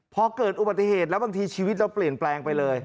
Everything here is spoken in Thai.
พอเกิดอุบัติเหตุแล้วบางทีชีวิตเราเปลี่ยนแปลงไปเลย